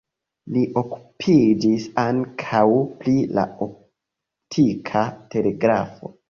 Li okupiĝis ankaŭ pri la optika telegrafo.